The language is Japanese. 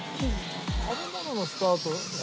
食べ物のスタート。